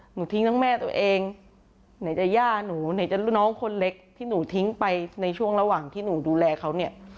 หนูทิ้งทั้งแม่ตัวเองไหนจะย่าหนูไหนจะลูกน้องคนเล็กที่หนูทิ้งไปในช่วงระหว่างที่หนูดูแลเขาเนี่ย